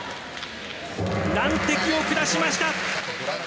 難敵を下しました。